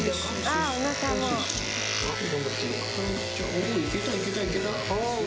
おいけたいけたいけた。